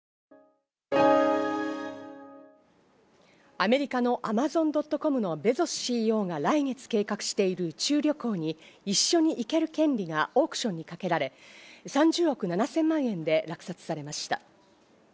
アメリカのアマゾン・ドット・コムのベゾスＣＥＯが来月計画している宇宙旅行に一緒に行ける権利がオークションにかけられ、３０億７０００万円で落札されました。